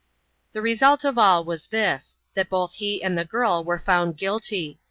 The result of all this was, that both he and the girl were found guilty.